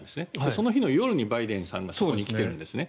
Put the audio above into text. その日の夜にバイデンさんが来ているんですね。